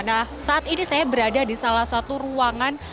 nah saat ini saya berada di salah satu ruangan